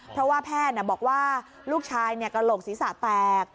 เพราะว่าแพทย์บอกว่าลูกชายกระโหลกศีรษะแตก